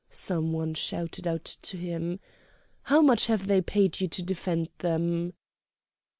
Some one shouted out to him: "How much have they paid you to defend them?"